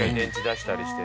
回したりして。